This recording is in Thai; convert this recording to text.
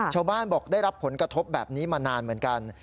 ชาวบ้านบอกได้รับผลกระทบแบบนี้มานานเหมือนกัน